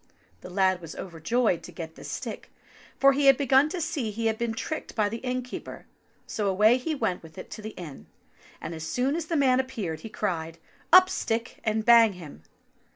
The lad was overjoyed to get this stick, for he had begun to see he had been tricked by the innkeeper, so away he went with it to the inn, and as soon as the man appeared he cried : "Up, stick, and bang him